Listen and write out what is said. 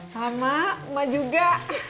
sama mak juga